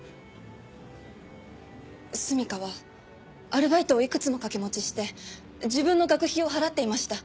純夏はアルバイトをいくつも掛け持ちして自分の学費を払っていました。